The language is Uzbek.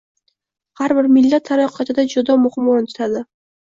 har bir millat taraqqiyotida juda muhim o‘rin tutadi.